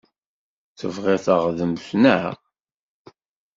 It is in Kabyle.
Tebɣiḍ taɣdemt, naɣ?